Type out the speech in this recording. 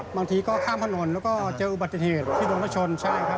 บางทีก็ข้ามถนนแล้วก็เจออุบัติเทศที่โดนตะชน